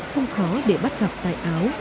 không khó để bắt gặp tại áo